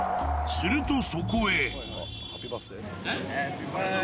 すると、そこへ。